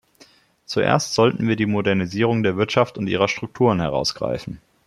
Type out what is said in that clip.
Zuerst sollten wir die Modernisierung der Wirtschaft und ihrer Strukturen herausgreifen.